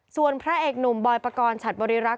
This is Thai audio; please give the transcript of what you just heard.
ส่วนพระเอกหนุ่มบอยปกรณ์ฉัดบริรักษ